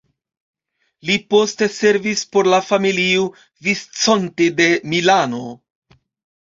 Li poste servis por la familio Visconti de Milano.